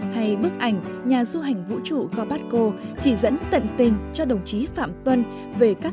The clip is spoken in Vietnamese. hay bức ảnh nhà du hành vũ trụ gorbaco chỉ dẫn tận tình cho đồng chí phạm tuân về các